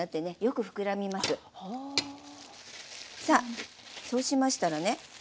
さあそうしましたらね